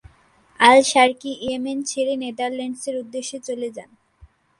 Al-Sharqi Yemen ছেড়ে নেদারল্যান্ডসের উদ্দেশ্যে চলে যান।